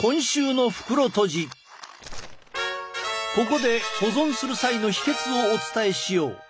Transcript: ここで保存する際の秘けつをお伝えしよう。